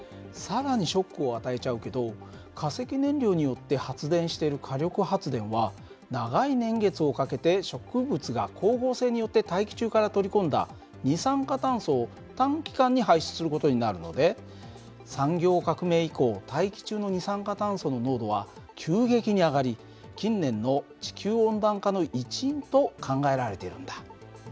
更にショックを与えちゃうけど化石燃料によって発電している火力発電は長い年月をかけて植物が光合成によって大気中から取り込んだ二酸化炭素を短期間に排出する事になるので産業革命以降大気中の二酸化炭素の濃度は急激に上がり近年の地球温暖化の一因と考えられているんだ。